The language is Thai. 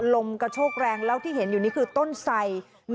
ลมกระโชกแรงแล้วที่เห็นอยู่นี่คือต้นไส